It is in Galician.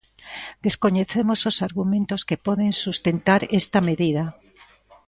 Descoñecemos os argumentos que poden sustentar esta medida.